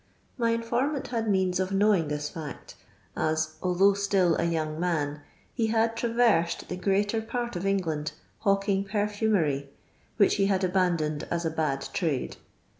My in fennant had means of knowing this fkct, as although ftill a young man, he had traversed the greater j part of England hawking perfumery, which he ; bad abandoned as a bad trade.